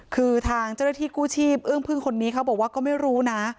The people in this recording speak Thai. คือทางเจ้าหน้าที่กู้ชีพอึ้งพึ่งคนนี้เขาบอกว่าก็ไม่รู้นะ